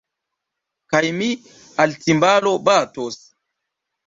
Kaj mi al timbalo batos.